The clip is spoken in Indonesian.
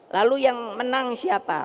lalu yang menang siapa